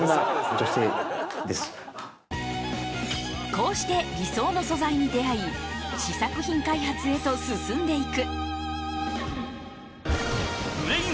こうして理想の素材に出会い試作品開発へと進んでいく。